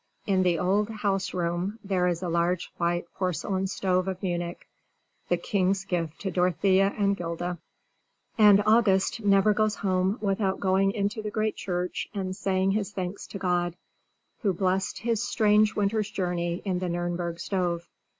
In the old house room there is a large white porcelain stove of Munich, the king's gift to Dorothea and 'Gilda. And August never goes home without going into the great church and saying his thanks to God, who blessed his strange winter's journey in the Nürnberg stove.